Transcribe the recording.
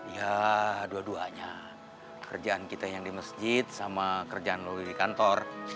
ya dua duanya kerjaan kita yang di masjid sama kerjaan logi di kantor